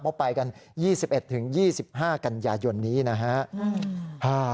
เพราะว่าไปกัน๒๑๒๕กันยายนนี้นะครับ